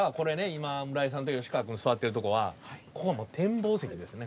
今村井さんと吉川君座ってるとこはここの展望席ですね。